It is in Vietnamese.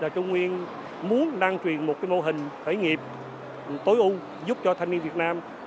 trung nguyên muốn năng truyền một mô hình thể nghiệp tối ưu giúp cho thanh niên việt nam